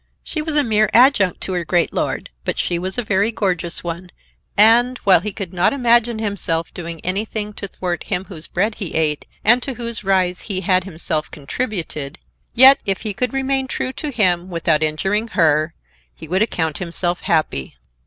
She was a mere adjunct to her great lord, but she was a very gorgeous one, and, while he could not imagine himself doing anything to thwart him whose bread he ate, and to whose rise he had himself contributed, yet if he could remain true to him without injuring he; he would account himself happy.